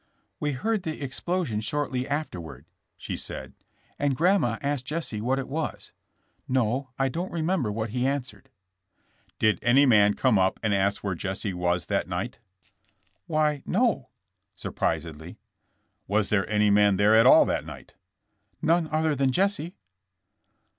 We heard the explosion shortly afterward," she said, and grandma asked Jesse what it was. No, I don't remember what he answered." *' Did any man come up and ask where Jesse was that night?" Why, no, '' surprisedly. Was there any man there at all that night?" None other than Jesse."